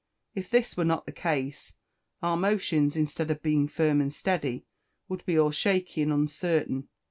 If this were not the case, our motions, instead of being firm and steady, would be all shaky and uncertain.